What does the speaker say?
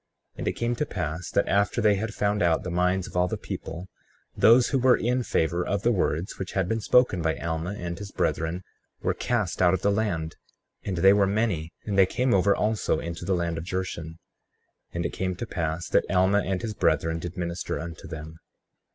35:6 And it came to pass that after they had found out the minds of all the people, those who were in favor of the words which had been spoken by Alma and his brethren were cast out of the land; and they were many; and they came over also into the land of Jershon. 35:7 And it came to pass that Alma and his brethren did minister unto them.